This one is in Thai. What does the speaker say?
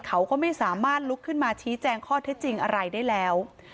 เขาก็ไม่สามารถลุกขึ้นมาชี้แจงข้อเท็จจริงอะไรได้แล้ว